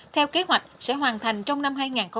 theo kế hoạch sẽ hoàn thành trong năm hai nghìn một mươi sáu